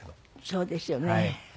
そうですよね。